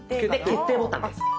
決定ボタンです。